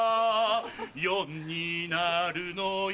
４になるのよ